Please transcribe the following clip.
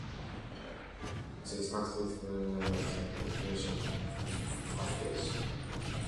These facilities preserve relics and information of the community's unique heritage.